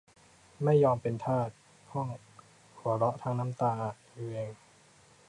ไม่ยอมเป็นทาส พ่อง หัวเราะทั้งน้ำตาอะ อิเวง